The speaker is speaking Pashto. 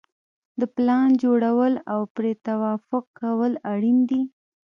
د پلان جوړول او پرې توافق کول اړین دي.